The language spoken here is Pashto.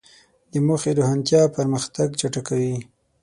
د موخې روښانتیا پرمختګ چټکوي.